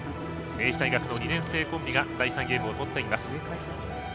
明治大学の２年生コンビが第３ゲームを取っています。